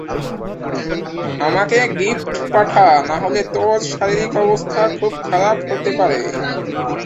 তারপর থেকেই শারীরিক অবস্থা খুব খারাপ হতে থাকে।